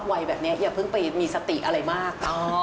วัยแบบนี้อย่าเพิ่งไปมีสติอะไรมาก